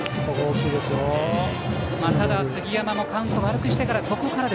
ただ、杉山もカウントを悪くしてから。